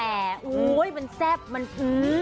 แต่โอ้ยมันแซ่บมันอื้ม